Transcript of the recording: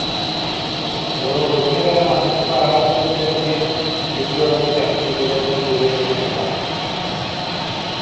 Дорубуонньук эрэ маннык бааһырдыан сөп диэн ити дьыаланы чахчы билэр дьон быһыытынан быһаарбыттара